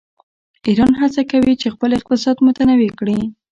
ایران هڅه کوي چې خپل اقتصاد متنوع کړي.